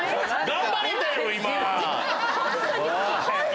頑張れたやろ今。